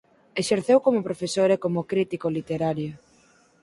Exerceu como profesor e como crítico literario.